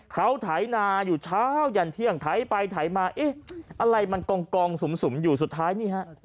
เขาไถนาอยู่เช้ายันเที่ยงไถไปไถมาเอ๊ะอะไรมันกองสุ่มอยู่สุดท้ายนี่ฮะ